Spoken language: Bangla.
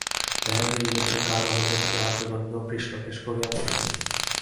লেখকের নিজের চুল কালো হইলে তিনি আর্যগণকেও কৃষ্ণকেশ করিয়া বসেন।